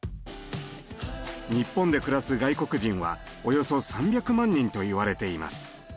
日本で暮らす外国人はおよそ３００万人と言われています。